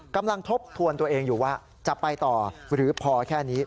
ทบทวนตัวเองอยู่ว่าจะไปต่อหรือพอแค่นี้